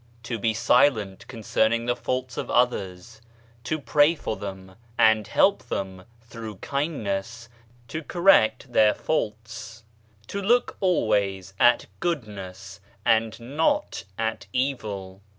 "To be silent concerning the faults of others, to pray for them, and help them, through kindness, to correct their faults, 103 104 BAHAISM " To look always at goodness and not at evil.